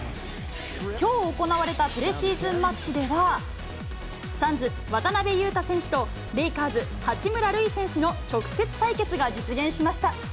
きょう行われたプレシーズンマッチでは、サンズ、渡邊雄太選手と、レイカーズ、八村塁選手の直接対決が実現しました。